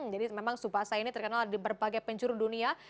jadi memang tsubasa ini terkenal di berbagai penjuru dunia